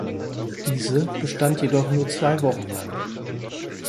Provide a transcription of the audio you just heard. Diese bestand jedoch nur zwei Wochen lang.